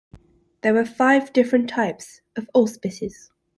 There were five different types of auspices.